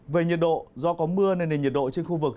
về nhiệt độ do có mưa nên nền nhiệt độ trên khu vực